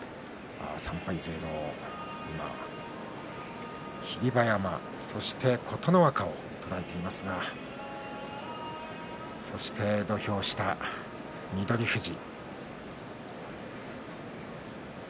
３敗勢の今霧馬山、そして琴ノ若を捉えていますがそして土俵下、翠富士。